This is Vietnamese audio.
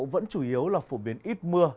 vẫn chủ yếu là phổ biến ít mưa